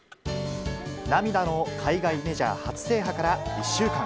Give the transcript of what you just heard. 涙の海外メジャー初制覇から１週間。